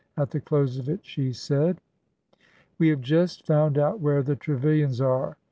At the close of it she said : "We have just found out where the Trevilians are.